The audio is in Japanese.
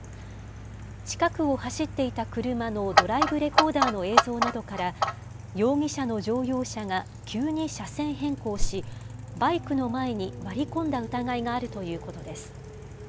近くを走っていた車のドライブレコーダーの映像などから、容疑者の乗用車が急に車線変更し、バイクの前に割り込んだ疑いがあるということです。